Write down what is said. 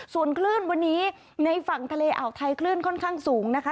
ส่วนคลื่นวันนี้ในฝั่งทะเลอ่าวไทยคลื่นค่อนข้างสูงนะคะ